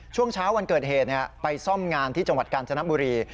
ช่วงเช้าวันเกิดเหตุไปซ่อมงานที่จังหวัดกาญจนบุรี